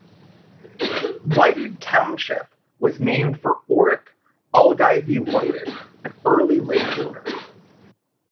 Whited Township was named for Oric Ogilvie Whited, an early landowner.